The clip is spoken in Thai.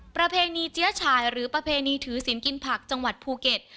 ประเพณีเจี๊ยฉายหรือประเพณีถือศิลปกินผักจังหวัดภูเก็ต